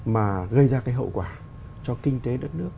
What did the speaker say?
mà gây ra cái hậu quả cho kinh tế đất nước